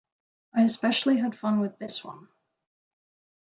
I especially had fun with this one.